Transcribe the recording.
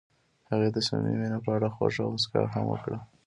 هغې د صمیمي مینه په اړه خوږه موسکا هم وکړه.